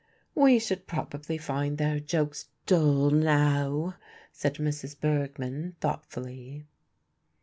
"We should probably find their jokes dull now," said Mrs. Bergmann, thoughtfully.